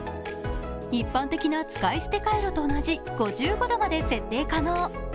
一般的な使い捨てカイロと同じ５５度まで設定可能。